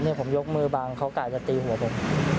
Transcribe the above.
นี่ผมยกมือบังเขากะจะตีหัวผม